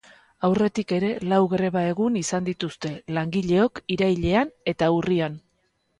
Aurretik ere lau greba egun izan dituzte langileok irailean eta urrian.